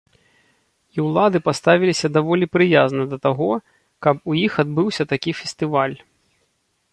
І ўлады паставіліся даволі прыязна да таго, каб у іх адбыўся такі фестываль.